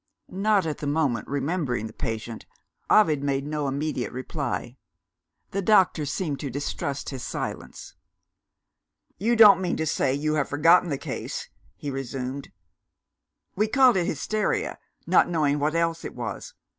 Not at the moment remembering the patient, Ovid made no immediate reply. The doctor seemed to distrust his silence. "You don't mean to say you have forgotten the case?" he resumed. "We called it hysteria, not knowing what else it was.